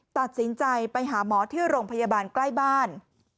ตัดสินใจไปหาหมอที่โรงพยาบาลใกล้บ้าน